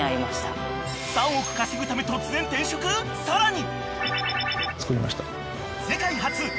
［さらに］